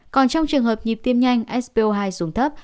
còn trong trường hợp nhịp tim nhanh sp hai xuống thấp